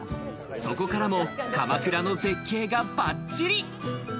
そこからも鎌倉の絶景がばっちり。